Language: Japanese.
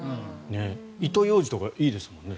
糸ようじとかいいですもんね。